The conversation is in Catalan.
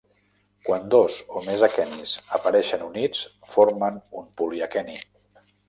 Quan dos o més aquenis apareixen units formen un poliaqueni.